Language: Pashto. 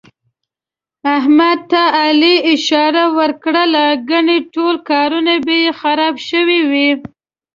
احمد ته علي اشاره ور کړله، ګني ټول کارونه به یې خراب شوي وو.